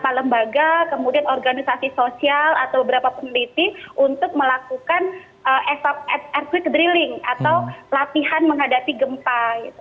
beberapa lembaga kemudian organisasi sosial atau beberapa peneliti untuk melakukan air quick drilling atau latihan menghadapi gempa